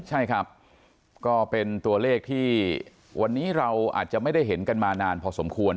ใช่ครับก็เป็นตัวเลขที่วันนี้เราอาจจะไม่ได้เห็นกันมานานพอสมควร